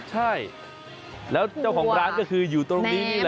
ใช่แล้วเจ้าของร้านก็คืออยู่ตรงนี้นี่แหละ